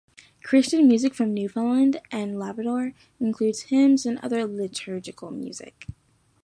Christian music from Newfoundland and Labrador includes hymns and other liturgical music.